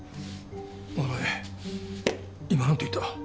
お前今何て言った？